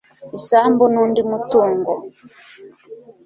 isambu n'undi mutungo